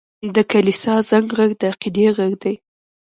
د کلیسا زنګ ږغ د عقیدې غږ دی.